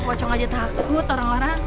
pocong aja takut orang orang